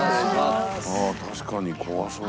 ああ確かに怖そう。